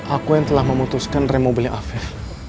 aku yang telah memutuskan remobilnya avef